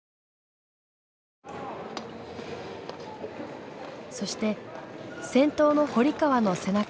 そして先頭の堀川の背中を押す。